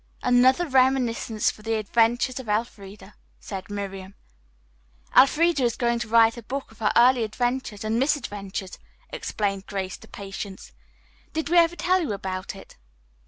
'" "Another reminiscence for 'The Adventures of Elfreda,'" said Miriam. "Elfreda is going to write a book of her early adventures and misadventures," explained Grace to Patience. "Did we ever tell you about it?"